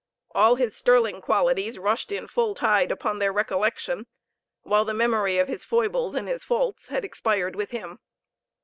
All his sterling qualities rushed in full tide upon their recollection, while the memory of his foibles and his faults had expired with him.